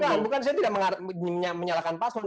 bukan saya tidak menyalahkan paslon